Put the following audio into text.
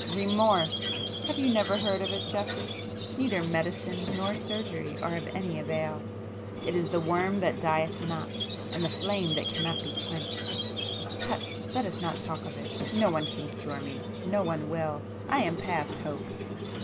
"Remorse! Have you never heard of it, Geoffrey? [p 286] Neither medicine nor surgery are of any avail,—it is 'the worm that dieth not, and the flame that cannot be quenched.' Tut!—let us not talk of it,—no one can cure me,—no one will! I am past hope!"